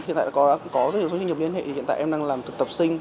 hiện tại đã có rất nhiều số doanh nghiệp liên hệ hiện tại em đang làm thực tập sinh